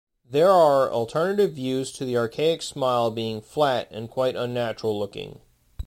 There are alternative views to the archaic smile being "flat and quite unnatural looking".